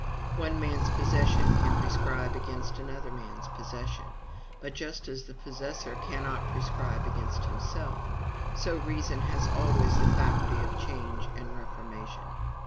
One man's possession can prescribe against another man's possession; but just as the possessor cannot prescribe against himself, so reason has always the faculty of change and reformation.